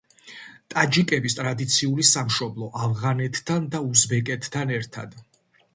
ტაჯიკების ტრადიციული სამშობლო, ავღანეთთან და უზბეკეთთან ერთად.